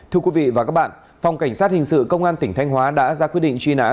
thưa quý vị và các bạn phòng cảnh sát hình sự công an tỉnh thanh hóa đã ra quyết định truy nã